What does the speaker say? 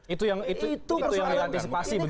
itu yang diantisipasi begitu